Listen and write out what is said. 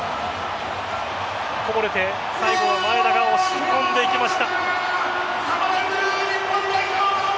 こぼれて、最後は前田が押し込んでいきました。